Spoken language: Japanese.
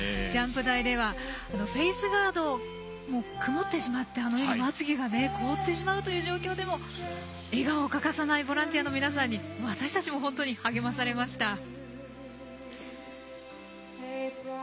ジャンプ台ではフェースガードが曇ってしまってまつげが凍ってしまうという状況でも笑顔を欠かさないボランティアの皆さんに私たちも本当に励まされました。